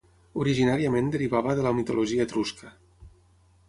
Originàriament derivava de la mitologia etrusca.